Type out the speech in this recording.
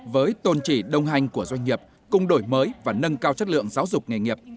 với tôn trị đồng hành của doanh nghiệp cùng đổi mới và nâng cao chất lượng giáo dục nghề nghiệp